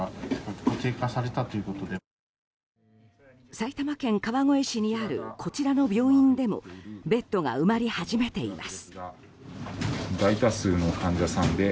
埼玉県川越市にあるこちらの病院でもベッドが埋まり始めています。